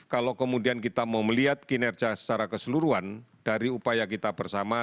kalau kemudian kita mau melihat kinerja secara keseluruhan dari upaya kita bersama